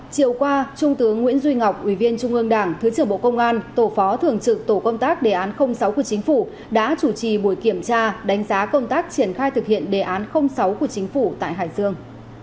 chiều qua trung tướng nguyễn duy ngọc ủy viên trung ương đảng thứ trưởng bộ công an tổ phó thường trực tổ công tác đề án sáu của chính phủ đã chủ trì buổi kiểm tra đánh giá công tác triển khai thực hiện đề án sáu của chính phủ tại hải dương